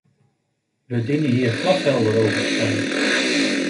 We dienen hier glashelder over te zijn.